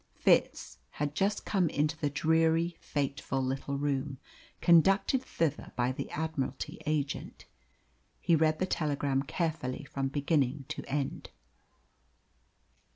Fitz had just come into the dreary, fateful little room, conducted thither by the Admiralty agent. He read the telegram carefully from beginning to end.